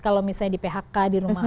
kalau misalnya di phk di rumah